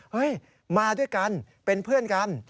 มาด้วยกันเป็นเพื่อนกัน